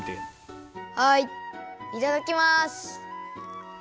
はいいただきます。